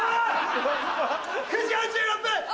９時４６分！